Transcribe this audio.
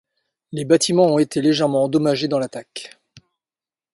Les bâtiments ont été légèrement endommagés dans l'attaque.